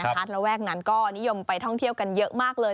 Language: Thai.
ระแวกนั้นก็นิยมไปท่องเที่ยวกันเยอะมากเลย